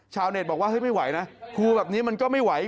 เน็ตบอกว่าเฮ้ยไม่ไหวนะครูแบบนี้มันก็ไม่ไหว